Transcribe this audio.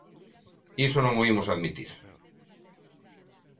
Iso non o imos admitir.